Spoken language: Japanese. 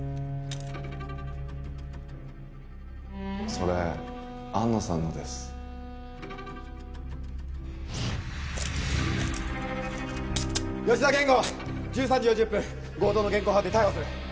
それ安野さんのです１３時４０分強盗の現行犯で逮捕する